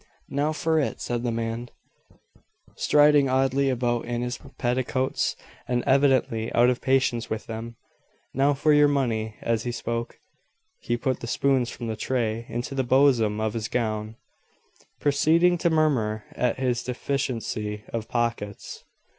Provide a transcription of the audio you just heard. "Now for it!" said the man, striding oddly about in his petticoats, and evidently out of patience with them. "Now for your money!" As he spoke, he put the spoons from the tray into the bosom of his gown, proceeding to murmur at his deficiency of pockets.